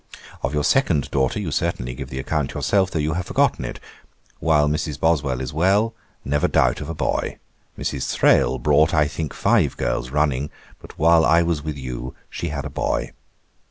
'Of your second daughter you certainly gave the account yourself, though you have forgotten it. While Mrs. Boswell is well, never doubt of a boy. Mrs. Thrale brought, I think, five girls running, but while I was with you she had a boy.